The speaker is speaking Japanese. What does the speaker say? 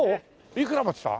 いくら持ってきた？